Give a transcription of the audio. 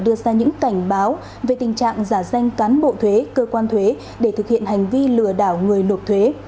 đưa ra những cảnh báo về tình trạng giả danh cán bộ thuế cơ quan thuế để thực hiện hành vi lừa đảo người nộp thuế